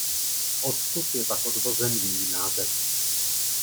Odtud je pak odvozen její název.